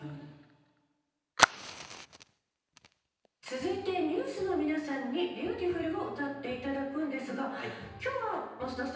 続いてＮＥＷＳの皆さんに『ビューティフル』を歌っていただくんですが今日は増田さんお一人ですね？